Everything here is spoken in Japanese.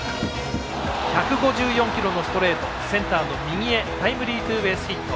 １５４キロのストレートをセンターの右へタイムリーツーベースヒット。